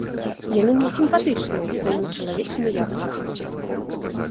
Яны мне сімпатычныя сваімі чалавечымі якасцямі.